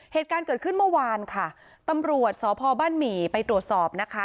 เหตุการณ์เกิดขึ้นเมื่อวานค่ะตำรวจสพบ้านหมี่ไปตรวจสอบนะคะ